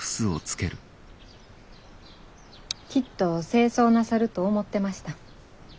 きっと正装なさると思ってました。